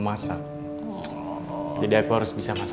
masih dikira anggam ya